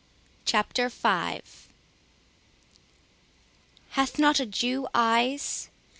CHAPTER V Hath not a Jew eyes?